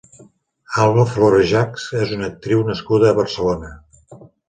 Alba Florejachs és una actriu nascuda a Barcelona.